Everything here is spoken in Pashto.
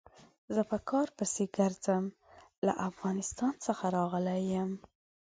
زه په کار پسې ګرځم، له افغانستان څخه راغلی يم.